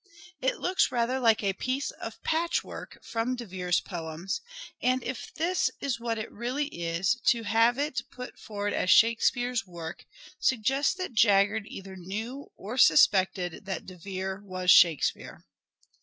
It looks rather like a piece of patchwork from De Vere's poems ; and if this is what it really is, to have it put forward as Shakespeare's work suggests that Jaggard either knew or suspected that De Vere was " Shake speare."